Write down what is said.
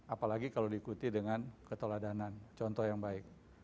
apalagi kalau diikuti dengan keteladanan contoh yang baik